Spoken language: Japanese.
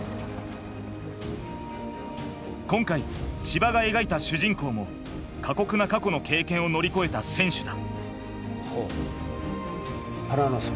今回ちばが描いた主人公も過酷な過去の経験を乗り越えた選手だ。